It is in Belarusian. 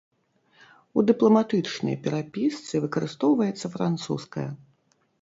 У дыпламатычнай перапісцы выкарыстоўваецца французская.